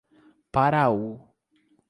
Paraú